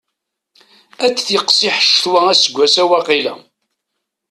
Ad tiqsiḥ ccetwa aseggas-a waqila.